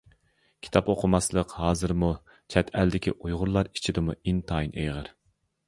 كىتاب ئوقۇماسلىق ھازىرمۇ، چەت ئەلدىكى ئۇيغۇرلار ئىچىدىمۇ ئىنتايىن ئېغىر.